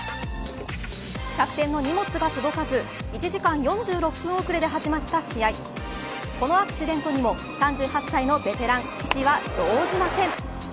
楽天の荷物が届かず１時間４６分遅れで始まった試合このアクシデントにも３８歳のベテラン、岸は動じません。